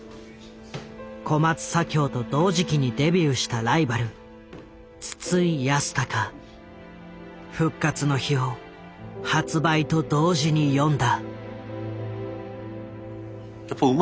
小松左京と同時期にデビューしたライバル「復活の日」を発売と同時に読んだ。